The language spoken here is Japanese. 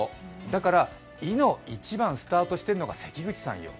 だからいの一番スタートしているのが関口さんよ。